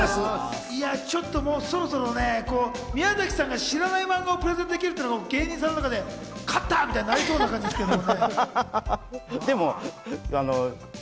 ちょっとそろそろ宮崎さんが知らないマンガをプレゼンできるというのが芸人さんの中で勝ったみたいになりそうですけどね。